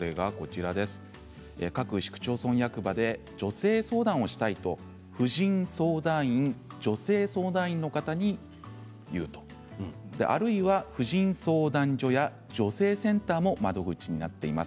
各市区町村役場で女性相談をしたいと婦人相談員女性相談員の方に言うあるいは婦人相談所や、女性センターも窓口になっています。